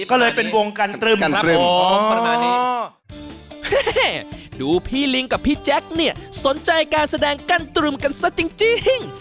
โอ้โหหึดูพี่ลิ้งกับพี่แจ๊คเนี่ยสนใจการแสดงกันตรึ่มกันซะจริง